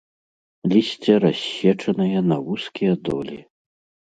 Лісце рассечанае на вузкія долі.